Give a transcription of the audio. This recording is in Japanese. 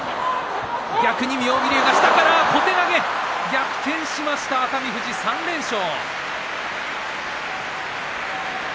逆転しました熱海富士３連勝。